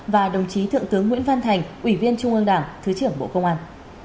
và đồng chí thượng tướng nguyễn văn thành ủy viên trung ương đảng thứ trưởng bộ công an